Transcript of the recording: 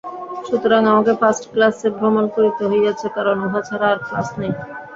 সুতরাং আমাকে ফার্ষ্ট ক্লাসে ভ্রমণ করিতে হইয়াছে, কারণ উহা ছাড়া আর ক্লাস নাই।